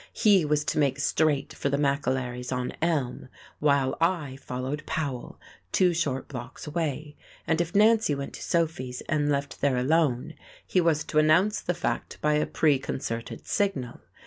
He was to make straight for the McAlery's on Elm while I followed Powell, two short blocks away, and if Nancy went to Sophy's and left there alone he was to announce the fact by a preconcerted signal.